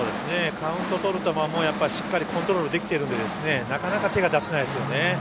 カウントとる球もしっかりコントロールできてるのでなかなか手が出せないですよね。